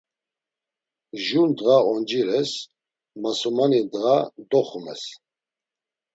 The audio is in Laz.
Jur ndğa oncires, masumani ndğa doxumes.